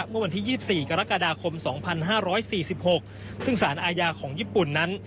เมื่อวันที่ยี่สิบสี่กรกฎาคมสองพันห้าร้อยสี่สิบหกซึ่งสารอาญาของญี่ปุ่นนั้น